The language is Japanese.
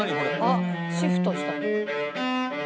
「あっシフトした」